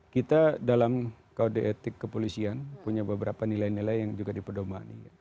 kita dalam kode etik kepolisian punya beberapa nilai nilai yang juga diperdomani